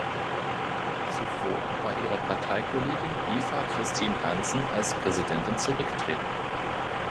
Zuvor war ihre Parteikollegin Eva Kristin Hansen als Präsidentin zurückgetreten.